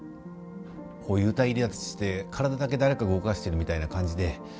こう幽体離脱して体だけ誰かが動かしてるみたいな感じで。